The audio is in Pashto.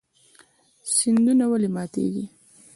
سیندونه ولې ماتیږي؟